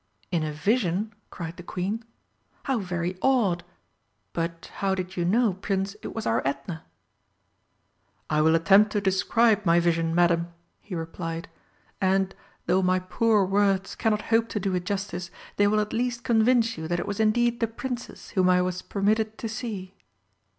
"In a vision?" cried the Queen. "How very odd! But how did you know, Prince, it was our Edna?" "I will attempt to describe my vision, Madam," he replied, "and, though my poor words cannot hope to do it justice, they will at least convince you that it was indeed the Princess whom I was permitted to see."